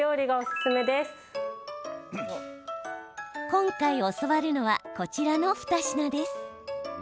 今回、教わるのはこちらの２品です。